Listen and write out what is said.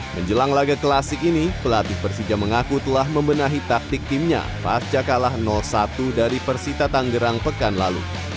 menjelang laga klasik ini pelatih persija mengaku telah membenahi taktik timnya pasca kalah satu dari persita tanggerang pekan lalu